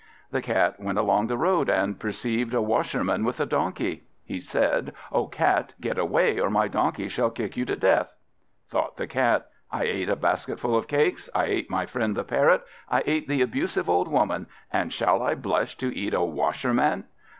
The Cat went along the road and perceived a Washerman with a donkey. He said, "O Cat, get away, or my donkey shall kick you to death!" Thought the Cat, "I ate a basketful of cakes, I ate my friend the Parrot, I ate the abusive old Woman, and shall I blush to eat a Washerman?"